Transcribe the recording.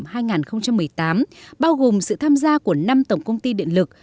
tháng hai nghìn một mươi tám bao gồm sự tham gia của năm tổng công ty điện lực